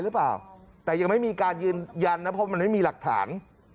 หรือเปล่าแต่ยังไม่มีการยืนยันนะเพราะมันไม่มีหลักฐาน